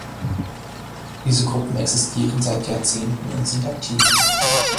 Diese Gruppen existieren seit Jahrzehnten und sind aktiv.